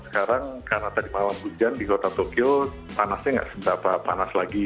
sekarang karena tadi malam hujan di kota tokyo panasnya nggak seberapa panas lagi